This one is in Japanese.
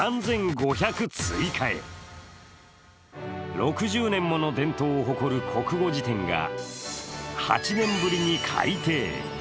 ６０年もの伝統を誇る国語辞典が８年ぶりに改訂。